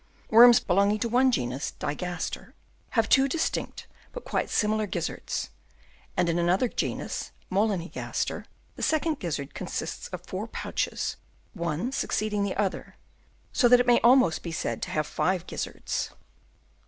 Worms belonging to one genus, Digaster, have two distinct but quite similar gizzards ; and in another genus, Moniligaster, the second gizzard consists of four pouches, one succeeding the other, so that it may almost be said to have five gizzards.